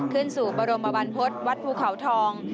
ขึ้นสู่บรมวันพจน์วัดภูเขาทอง